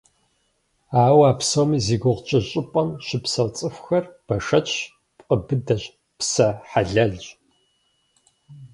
Ауэ а псоми зи гугъу тщӏы щӏыпӏэм щыпсэу цӏыхухэр бэшэчщ, пкъы быдэщ, псэ хьэлэлщ.